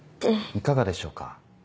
いかがでしょうか。